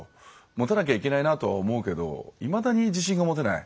持たなきゃいけないなとは思うけどいまだに、自信が持てない。